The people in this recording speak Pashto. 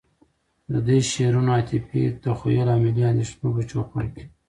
د دوی د شعرونو د عاطفی، تخیّل، او ملی اندیښنو په چو پړ کي